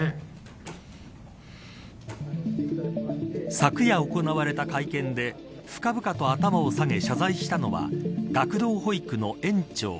昨夜行われた会見で深々と頭を下げ謝罪したのは学童保育の園長。